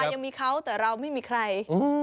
ยังมีเขาแต่เราไม่มีใคร